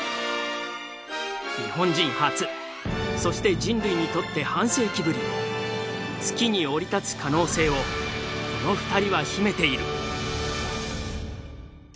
日本人初そして人類にとって半世紀ぶり月に降り立つ可能性をこの２人は秘めている。